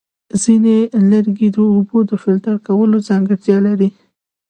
ځینې لرګي د اوبو د فلټر کولو ځانګړتیا لري.